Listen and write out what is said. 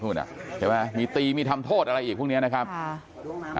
เห็นไหมมีตีมีทำโทษอะไรอีกพรุ่งเนี้ยนะครับค่ะ